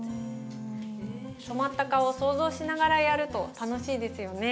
染まった顔を想像しながらやると楽しいですよね。